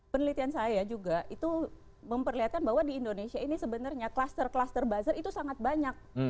penelitian saya juga itu memperlihatkan bahwa di indonesia ini sebenarnya kluster kluster buzzer itu sangat banyak